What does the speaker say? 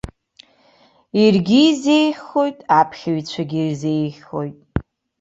Иаргьы изеиӷьхоит, аԥхьаҩцәагьы ирзеиӷьхоит.